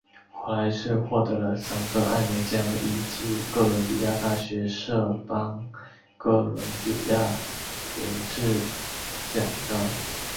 华莱士获得了三个艾美奖以及哥伦比亚大学杜邦哥伦比亚银质奖章。